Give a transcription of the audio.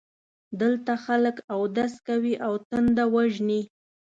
دلته خلک اودس کوي او تنده وژني.